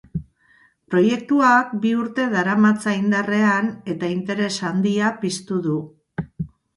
Proiektuak bi urte daramatza indarrean eta interes handia piztu du.